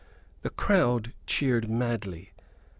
The crowd cheered madly.